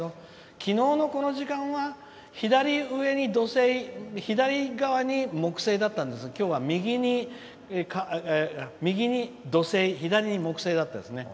きのうの、この時間は左上に土星、左側に木星だったんですがきょうは右に土星左に木星だったですね。